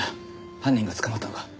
犯人が捕まったのか？